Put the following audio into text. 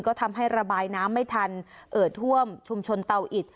ก็ทำให้ระบายน้ำไม่ทันเอ่อท่วมชุมชนเตาอิด